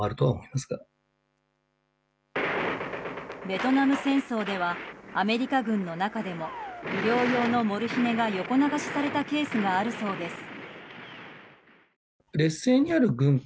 ベトナム戦争ではアメリカ軍の中でも医療用のモルヒネが横流しされたケースもあるそうです。